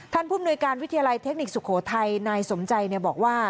ผู้มนุยการวิทยาลัยเทคนิคสุโขทัยนายสมใจบอกว่า